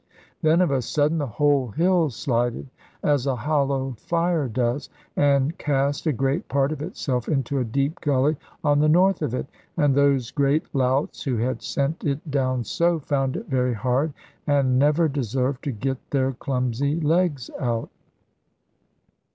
Then of a sudden the whole hill slided, as a hollow fire does, and cast a great part of itself into a deep gully on the north of it. And those great louts who had sent it down so, found it very hard (and never deserved) to get their clumsy legs out.